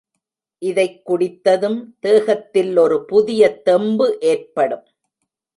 இதைக் குடித்ததும் தேகத்தில் ஒரு புதிய தெம்பு ஏற்படும்.